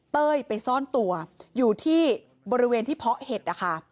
เต้ยไปซ่อนตัวอยู่ที่บริเวณที่เพาะเห็ดนะคะ